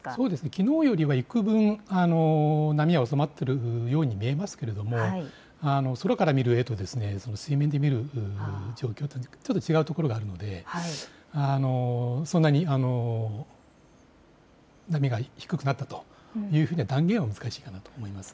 きのうよりはいくぶん波が収まっているように見えますけれども空から見る絵と水面で見る状況というのはちょっと違うところがあるのでそんなに波が低くなったと言うふうには断言は難しいかなと思います。